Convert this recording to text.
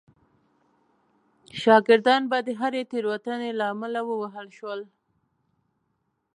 شاګردان به د هرې تېروتنې له امله ووهل شول.